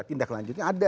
tindak lanjutnya ada